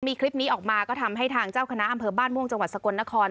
มีคลิปนี้ออกมาก็ทำให้ทางเจ้าคณะอำเภอบ้านม่วงจังหวัดสกลนคร